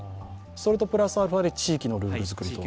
それとプラスアルファで地域のルールと。